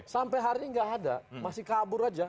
sampai hari ini nggak ada masih kabur aja